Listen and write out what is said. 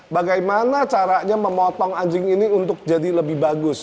bagaimana caranya memotong anjing ini untuk jadi lebih bagus